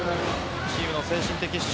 チームの精神的支柱。